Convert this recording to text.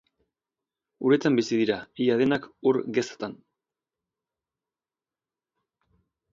Uretan bizi dira, ia denak ur gezatan.